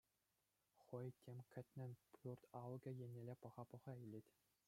Хӑй, тем кӗтнӗн, пӳрт алӑкӗ еннелле пӑха-пӑха илет.